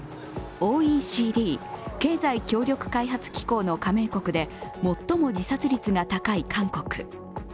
ＯＥＣＤ＝経済協力開発機構の加盟国で最も自殺率が高い韓国。